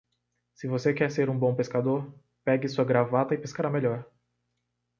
Se você quer ser um bom pescador, pegue sua gravata e pescará melhor.